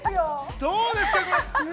どうですか？